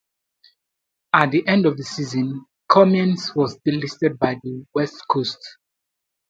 At the end of the season Cummings was delisted by West Coast.